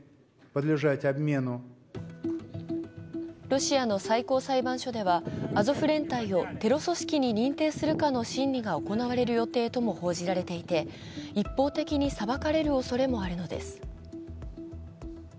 ロシアの最高裁判所ではアゾフ連隊をテロ組織に認定するかの審理が行われる予定とも報じられていて一方的に裁かれるおそれもあるのです。